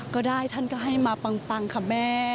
ก็ได้ท่านก็ให้มาปังค่ะแม่